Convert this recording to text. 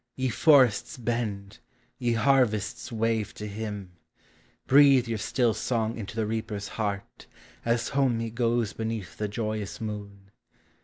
Ye forests bend, ye harvests wave, to him ; Breathe your still song into the reaper's heart, As home he goes beneath the joyous Moon.